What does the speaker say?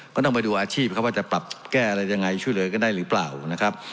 ก็ต้องไปดูอาชีพครับว่าจะปรับแก้อะไรยังไงช่วยเหลือกันได้หรือเปล่านะครับ